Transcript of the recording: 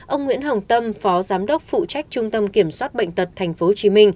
ông nguyễn hồng tâm phó giám đốc phụ trách trung tâm kiểm soát bệnh tật tp hcm